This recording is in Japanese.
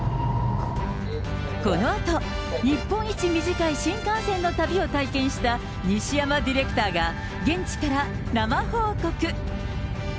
このあと、日本一短い新幹線の旅を体験した西山ディレクター出発。